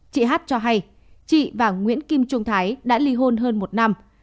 chị hát cho hay chị và nguyễn kim trung thái đã ly hôn hơn một năm